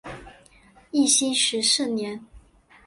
义熙十四年。